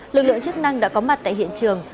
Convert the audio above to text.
lực lượng chức năng đã có mặt tại hiện trường